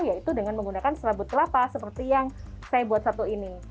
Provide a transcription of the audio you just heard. yaitu dengan menggunakan serabut kelapa seperti yang saya buat satu ini